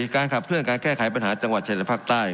การขับเคลื่อนการแก้ไขปัญหาจังหวัดชายและภาคใต้